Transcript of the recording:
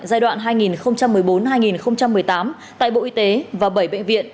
giai đoạn hai nghìn một mươi bốn hai nghìn một mươi tám tại bộ y tế và bảy bệnh viện